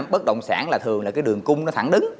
bất động sản là thường là cái đường cung nó thẳng đứng